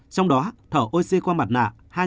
trong đó thở oxy qua mặt nạ